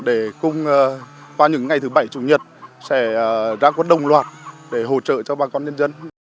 để cùng qua những ngày thứ bảy chủ nhật sẽ ra quân đồng loạt để hỗ trợ cho bà con nhân dân